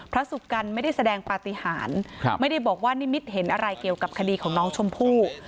สุกัณฑไม่ได้แสดงปฏิหารไม่ได้บอกว่านิมิตเห็นอะไรเกี่ยวกับคดีของน้องชมพู่